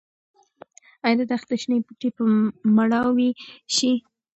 ايا د دښتې شنه بوټي به مړاوي شي؟